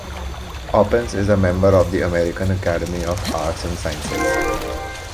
Oppens is a member of the American Academy of Arts and Sciences.